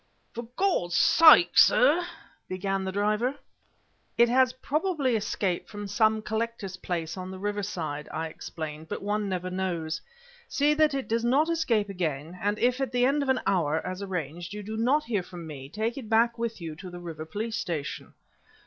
"For God's sake, sir!" began the driver "It has probably escaped from some collector's place on the riverside," I explained, "but one never knows. See that it does not escape again, and if at the end of an hour, as arranged, you do not hear from me, take it back with you to the River Police Station."